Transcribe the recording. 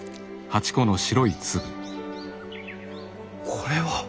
これは。